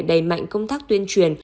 đầy mạnh công tác tuyên truyền